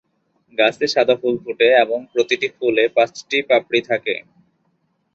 গাছে সাদা ফুল ফোটে এবং প্রতিটি ফুলে পাঁচটি পাপড়ি থাকে।